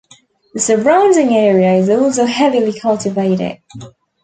The surrounding area is also heavily cultivated.